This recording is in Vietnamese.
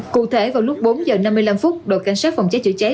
cụ thể vào lúc bốn h năm mươi năm đội cảnh sát phòng cháy chữa cháy